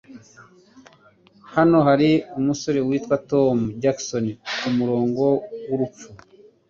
Hano hari umusore witwa Tom Jackson kumurongo wurupfu.